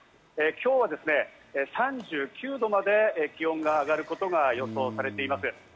今日はですね、３９度まで気温が上がることが予想されています。